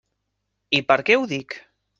I per què ho dic?